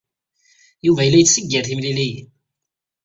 Yuba yella yettseggir timliliyin.